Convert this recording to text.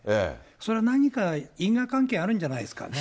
それは何か因果関係があるんじゃないですかね。